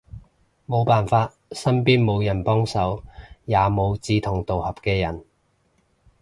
無辦法，身邊無人幫手，也無志同道合嘅人